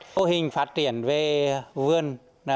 mô hình phát triển về vườn